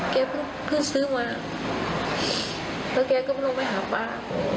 แก๊มึงที่ซื้อมาแต่แกก็ต้องไปหาปลา